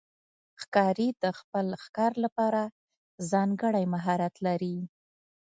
ښکاري د خپل ښکار لپاره ځانګړی مهارت لري.